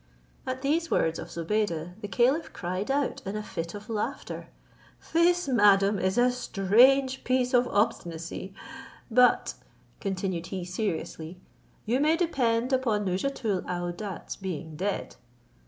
At these words of Zobeide, the caliph cried out in a fit of laughter, "This, madam, is a strange piece of obstinacy; but," continued he seriously, "you may depend upon Nouzhatoul aouadat's being dead."